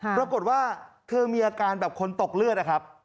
ปรากฏว่าเธอมีอาการแบบคนตกเลือดนะครับ